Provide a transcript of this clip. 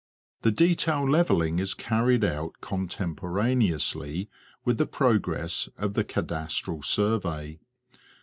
The detail levelling is carried out contemporaneously with the progress of the cadastral survey.